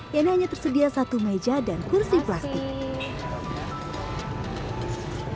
yang hanya tersedia satu meja dan kursi plastik